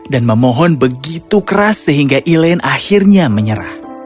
dan memohon begitu keras sehingga elaine akhirnya menyerah